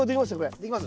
できます？